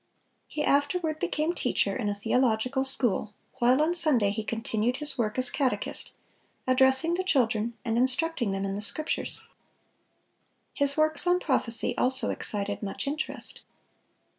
He afterward became teacher in a theological school, while on Sunday he continued his work as catechist, addressing the children, and instructing them in the Scriptures. His works on prophecy also excited much interest.